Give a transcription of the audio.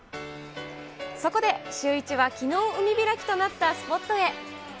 そこで、シューイチはきのう、海開きとなったスポットへ。